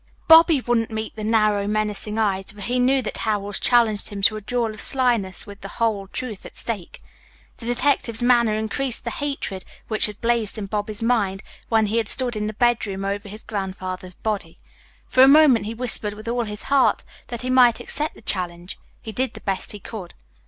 Bobby wouldn't meet the narrow, menacing eyes, for he knew that Howells challenged him to a duel of slyness with the whole truth at stake. The detective's manner increased the hatred which had blazed in Bobby's mind when he had stood in the bedroom over his grandfather's body. For a moment he wished with all his heart that he might accept the challenge. He did the best he could.